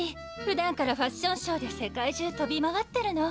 ふだんからファッションショーで世界中とび回ってるの。